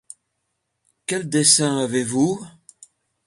Quel dessein avez-vous ?